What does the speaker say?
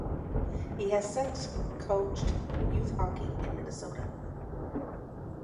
He has since coached youth hockey in Minnesota.